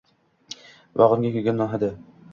Dimog’imda kuygan non hidi!..